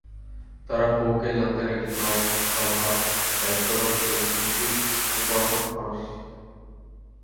তারা পো-কে জানতেন একজন নমস্বভাব, দায়িত্ববান, সৌজন্যশীল ও কর্মঠ মানুষ হিসেবে।